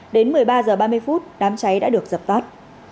đến một mươi ba h ba mươi đám cháy đã được dập tắt